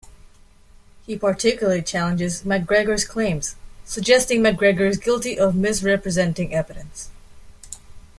He particularly challenges MacGregor's claims, suggesting MacGregor is guilty of misrepresenting evidence.